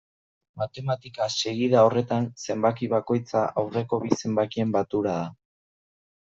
Matematika-segida horretan, zenbaki bakoitza aurreko bi zenbakien batura da.